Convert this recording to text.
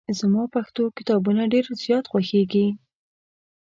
زما پښتو کتابونه ډېر زیات خوښېږي.